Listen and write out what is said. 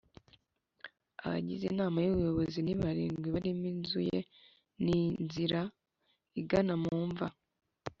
Abagize inama y ubuyobozi ni barindwi barimo inzu ye ni inzira igana mu mva